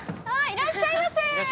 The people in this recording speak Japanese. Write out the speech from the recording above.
いらっしゃいませ。